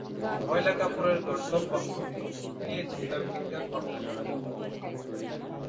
ময়লা কাপড়ের গর্দভবাহনকে বুঝে নিয়েছি, তার বিজ্ঞানবাহনকে বুঝি নে।